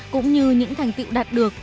cũng như những thành tựu đạt được